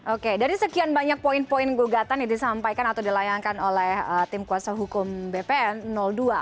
oke dari sekian banyak poin poin gugatan yang disampaikan atau dilayangkan oleh tim kuasa hukum bpn dua